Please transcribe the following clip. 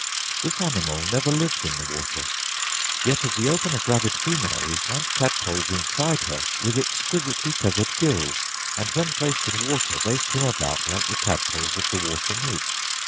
This animal never lives in the water. Yet if we open a gravid female, we find tadpoles inside her with exquisitely feathered gills; and when placed in water they swim about like the tadpoles of the water newt.